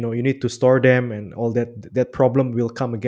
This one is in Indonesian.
saya pikir karena anda perlu menyimpan mereka